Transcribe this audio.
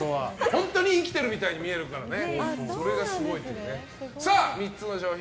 本当に生きてるみたいに見えるからね。